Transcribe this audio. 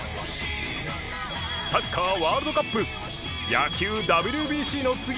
サッカーワールドカップ野球 ＷＢＣ の次は